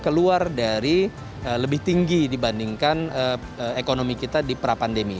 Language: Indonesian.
keluar dari lebih tinggi dibandingkan ekonomi kita di pra pandemi